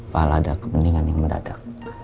pak ada kebeningan yang mendadak